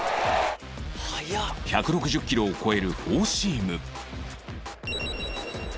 １６０キロを超えるフォーシーム